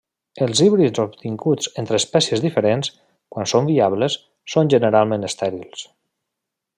Els híbrids obtinguts entre espècies diferents, quan són viables, són generalment estèrils.